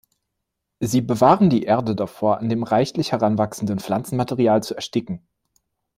Sie bewahren die Erde davor, an dem reichlich heranwachsenden Pflanzenmaterial zu ersticken.